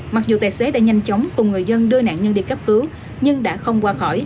mặc dù tài xế đã nhanh chóng cùng người dân đưa nạn nhân đi cấp cứu nhưng đã không qua khỏi